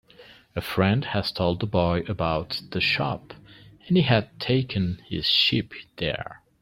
A friend had told the boy about the shop, and he had taken his sheep there.